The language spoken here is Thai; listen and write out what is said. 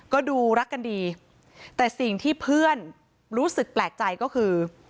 ก็ดูรักกันดีแต่สิ่งที่เพื่อนรู้สึกแปลกใจก็คือ